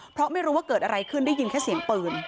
เพราะไม่รู้ว่าเกิดอะไรขึ้นได้ยินแค่เสียงปืน